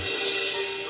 kau adalah pria